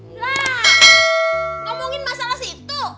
ngomongin masalah situ